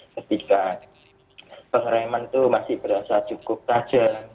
ketika pengereman itu masih berasa cukup tajam